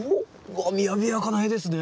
わっ雅やかな絵ですね。